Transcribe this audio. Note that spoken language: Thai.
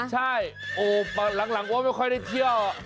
ใช่โอ้หลังโอ๊ยไม่ค่อยได้เที่ยว